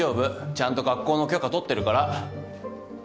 ちゃんと学校の許可取ってるから。